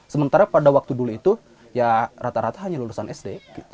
sementara pada waktu dulu itu ya rata rata hanya lulusan sd